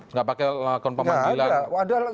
nggak pakai lakukan pemanggilan